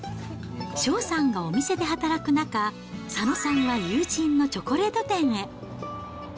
翔さんがお店で働く中、佐野さんは友人のチョコレート店へ。